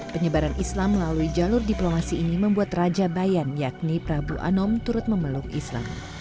penyebaran islam melalui jalur diplomasi ini membuat raja bayan yakni prabu anom turut memeluk islam